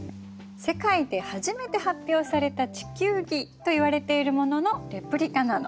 世界で初めて発表された地球儀といわれているもののレプリカなの。